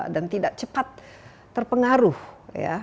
dan tidak cepat terpengaruh ya